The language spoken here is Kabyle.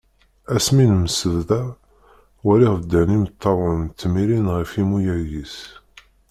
Ass mi nemsebḍa walaɣ bdan imeṭṭawen ttmirin-d ɣef imuyag-is.